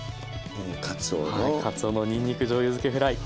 はいかつおのにんにくじょうゆづけフライ。